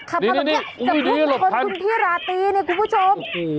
แต่พูดถึงคนที่ราตีเนี่ยคุณผู้ชม